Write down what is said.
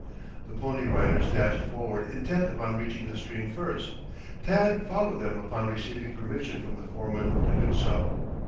The Pony Riders dashed forward intent upon reaching the stream first. Tad followed them upon receiving permission from the foreman to do so.